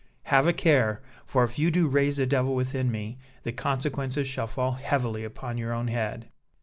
Have a care; for if you do raise the devil within me, the consequences shall fall heavily upon your own head!"